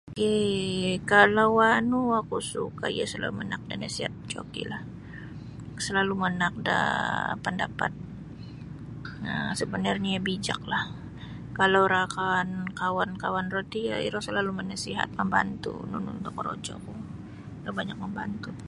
um Kalau wanu oku suka' iyo salalu' manaak da nasiat joki'lah salalu' manaak daa pandapat um sabanarnyo iyo bijaklah kalau rakan kawan-kawan roti iro salalu' manasihat mambantu' nunu da korojoku iro banyak mambantu' .